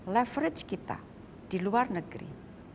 leverage kita di luar negeri